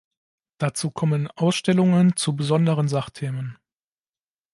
Dazu kommen Ausstellungen zu besonderen Sachthemen.